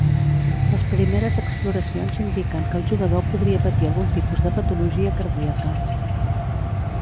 Les primeres exploracions indiquen que el jugador podria patir algun tipus de patologia cardíaca.